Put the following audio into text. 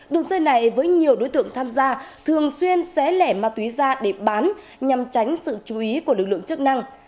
đường dây này với nhiều đối tượng tham gia thường xuyên xé lẻ ma túy ra để bán nhằm tránh sự chú ý của lực lượng chức năng